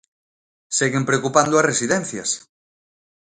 Seguen preocupando as residencias.